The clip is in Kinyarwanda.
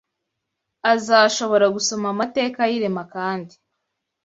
azashobora gusoma amateka y’irema kandi